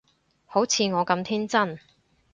好似我咁天真